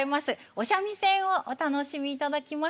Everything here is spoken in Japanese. お三味線をお楽しみいただきます。